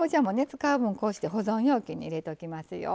使う分をこうして保存容器に入れときますよ。